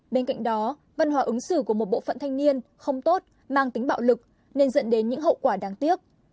bên cạnh đó văn hóa ứng xử của một bộ phận thanh niên không tốt mang tính bạo lực nên dẫn đến những hậu quả đáng tiếc